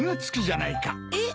えっ？